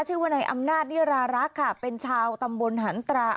ชื่อว่าในอำนาจนิรารักค่ะเป็นชาวตำบลหันตรา